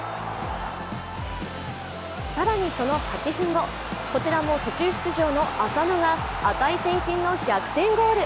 更に、その８分後、こちらも途中出場の浅野が値千金の逆転ゴール。